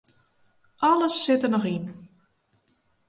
Alles sit der noch yn.